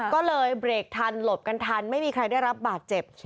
ก็เลยเบรกทันหลบกันทันไม่มีใครได้รับบาดเจ็บ